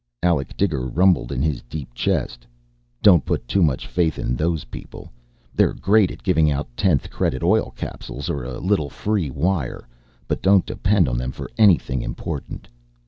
Alec Diger rumbled in his deep chest. "Don't put too much faith in those people. They're great at giving out tenth credit oil capsules or a little free wire but don't depend on them for anything important."